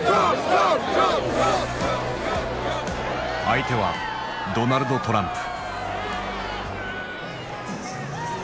相手はドナルド・トランプ。